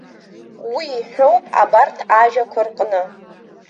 Уи ҳәоуп абарҭ ажәақәа рҟны.